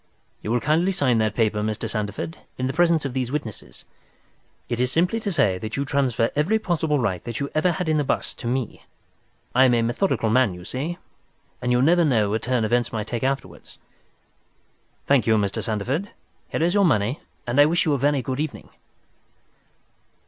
"You will kindly sign that paper, Mr. Sandeford, in the presence of these witnesses. It is simply to say that you transfer every possible right that you ever had in the bust to me. I am a methodical man, you see, and you never know what turn events might take afterwards. Thank you, Mr. Sandeford; here is your money, and I wish you a very good evening."